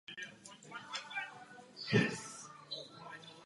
Tím je možná velice jednoduchá montáž na základní desku.